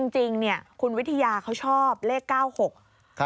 จริงเนี่ยคุณวิทยาเขาชอบเลข๙๖